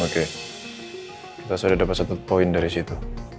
kita sudah dapat satu poin dari situ